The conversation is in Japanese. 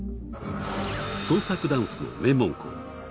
創作ダンスの名門校。